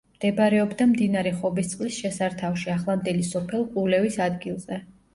მდებარეობდა მდინარე ხობისწყლის შესართავში, ახლანდელი სოფელ ყულევის ადგილზე.